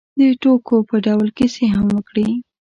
د ټوکو په ډول کیسې هم وکړې.